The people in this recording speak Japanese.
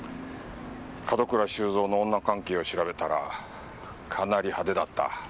門倉修三の女関係を調べたらかなり派手だった。